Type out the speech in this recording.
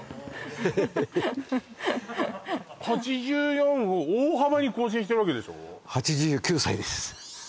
ヘヘヘヘッ８４を大幅に更新してるわけでしょう